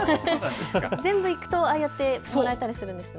全部行くと、ああやってもらえたりするんですよね。